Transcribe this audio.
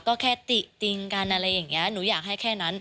ก็แค่ติจริงกันอะไรอย่างนี้หนูอยากให้แค่นั้น